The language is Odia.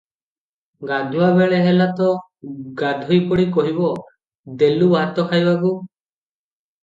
ଗାଧୁଆବେଳ ହେଲା ତ ଗାଧୋଇ ପଡ଼ି କହିବ, ଦେଲୁ ଭାତ ଖାଇବାକୁ ।